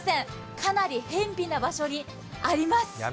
かなりへんぴな場所にあります。